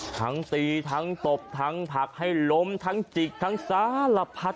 ทั้งตีทั้งตบทั้งผลักให้ล้มทั้งจิกทั้งสารพัด